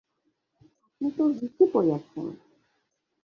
আপনি তো হিস্ট্রি পড়িয়াছেন?